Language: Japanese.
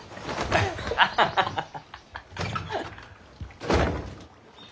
アハハハハ。